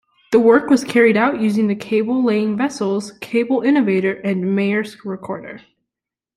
The work was carried out using the cable-laying vessels "Cable Innovator" and "Maersk Recorder".